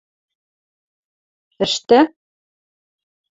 — Ӹштӹ!